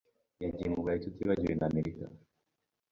Yagiye mu Burayi, tutibagiwe na Amerika.